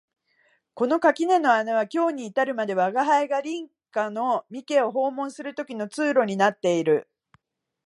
この垣根の穴は今日に至るまで吾輩が隣家の三毛を訪問する時の通路になっている